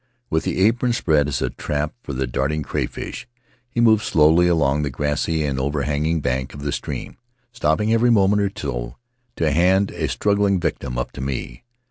With the apron spread as a trap for the darting cray fish, he moved slowly along the grassy and over hanging bank of the stream, stopping every moment or so to hand a struggling victim up to me.